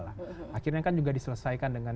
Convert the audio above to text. akhirnya kan juga diselesaikan dengan